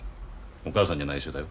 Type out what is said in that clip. お母さんにはないしょだよ。